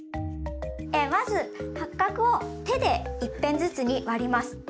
まず八角を手で一片ずつに割ります。